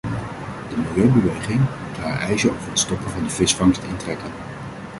De milieubeweging moet haar eisen over het stoppen van de visvangst intrekken.